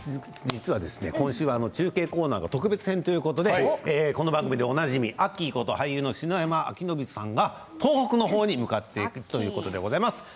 実は今週、中継コーナーが特別編ということでこの番組でおなじみアッキーこと俳優の篠山輝信さんが東北の方に行っています。